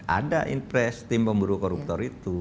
ada impress tim pemburu koruptor itu